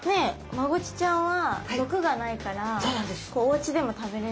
マゴチちゃんは毒がないからおうちでも食べれるし。